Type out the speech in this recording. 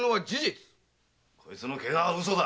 こいつのケガはウソだ！